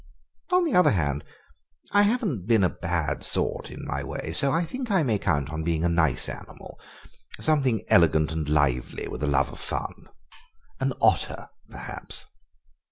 On the other hand, I haven't been a bad sort in my way, so I think I may count on being a nice animal, something elegant and lively, with a love of fun. An otter, perhaps."